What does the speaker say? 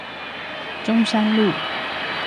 中山路